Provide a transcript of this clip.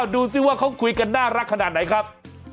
ดูสิว่าเขาคุยกันน่ารักขนาดไหนครับ